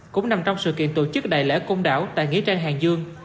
cũng nằm trong sự kiện tổ chức đại lễ công đảo tại nghĩa trang hàng dương